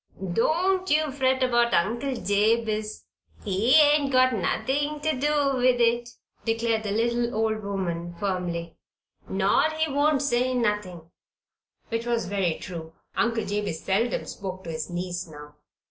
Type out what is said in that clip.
"Don't you fret about your Uncle Jabez. He ain't got nothin' ter do with it," declared the little old woman, firmly. "Nor he won't say nothin'." Which was very true. Uncle Jabez seldom spoke to his niece now.